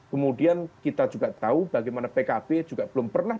kemudian kita juga tahu bagaimana pkb juga belum pernah